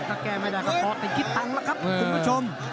ถ้าแก้ไม่ได้ก็ปลอดในคิดต่างแล้วครับคุณผู้ชม